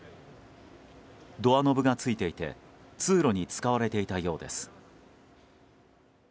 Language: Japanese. ドアノブがついていて通路に使われていたようです。